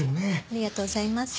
ありがとうございます。